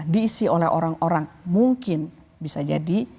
diisi oleh orang orang mungkin bisa jadi